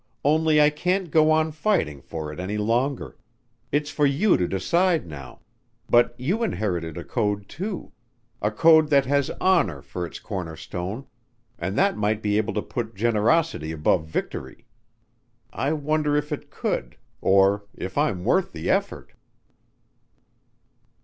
"Only I can't go on fighting for it any longer. It's for you to decide now ... but you inherited a code, too ... a code that has honor for its cornerstone, and that might be able to put generosity above victory.... I wonder if it could ... or if I'm worth the effort."